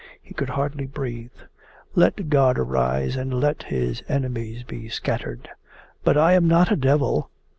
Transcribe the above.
He could hardly breathe. 'Let God arise and let his enemies be scattered...' 'But I am not a devil!